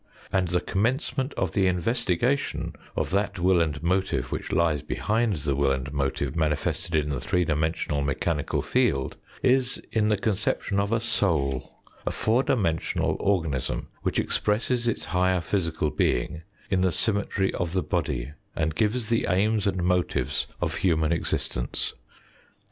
And the commencement of the investigation of that will and motive which lies behind the will and motive manifested in the three dimensional mechanical field is in the conception of a soul a four dimensional organism, which expresses its higher physical being in the symmetry of the body, and gives the aims and motives of human existence.